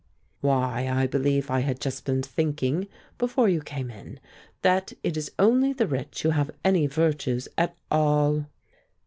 "Why, I believe I had just been thinking, before you came in, that it is only the rich who have any virtues at all."